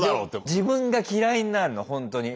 自分が嫌いになるのほんとに。